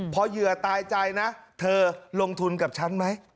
พอเหยื่อตายใจนะเธอลงทุนกับฉันไหม